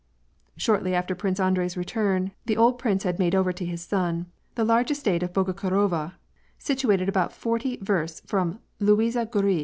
" Shortly after Prince Andrei's return, the old prince had made over to his son the large estate of Bogucharovo, situated about forty versts from Luisiya Gorui.